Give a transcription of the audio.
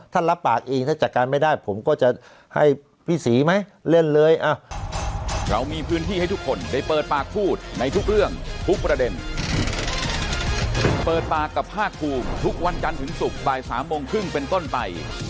รับปากเองถ้าจัดการไม่ได้ผมก็จะให้พี่ศรีไหมเล่นเลย